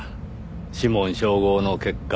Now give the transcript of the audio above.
指紋照合の結果